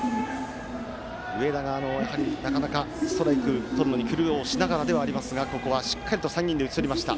上田がやはり、なかなかストライクをとるのに苦労しながらではありますがしっかりと３人で打ち取りました。